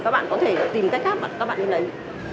các bạn có thể tìm cách khác mà các bạn ý lấy